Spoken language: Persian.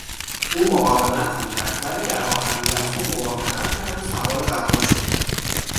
او مقاومت میکرد ولی در آخرین لحظه موافقت کرد و سوار قطار شد.